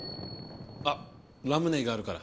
あラムネがあるから。